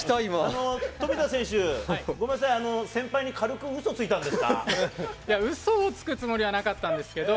ごめんなさい、先輩に軽く嘘嘘をつくつもりはなかったんですけど。